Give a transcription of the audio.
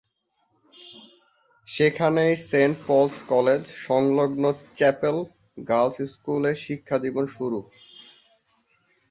সেখানেই saint Paul's college সংলগ্ন chapel girls স্কুল-এ শিক্ষা জীবন শুরু।